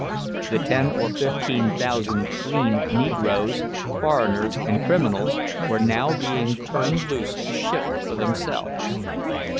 The ten or fifteen thousand "green" Negroes, foreigners, and criminals were now being turned loose to shift for themselves.